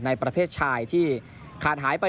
ประเภทชายที่ขาดหายไป